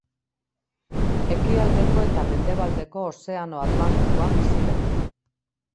Ekialdeko eta mendebaldeko Ozeano Atlantikoan bizi da.